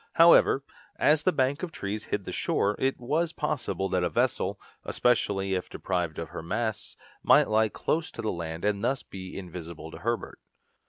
However, as the bank of trees hid the shore, it was possible that a vessel, especially if deprived of her masts, might lie close to the land and thus be invisible to Herbert.